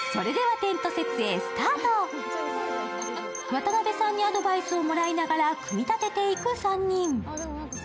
渡辺さんにアドバイスをもらいながら組み立てていく３人。